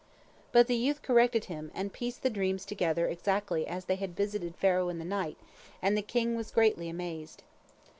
But the youth corrected him, and pieced the dreams together exactly as they had visited Pharaoh in the night, and the king was greatly amazed.